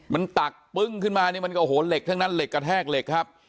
มันตักปึ้งขึ้นมานี่มันก็โอ้โหเหล็กทั้งนั้นเหล็กกระแทกเหล็กครับ